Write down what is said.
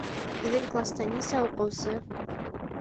Һеҙҙең класта нисә уҡыусы?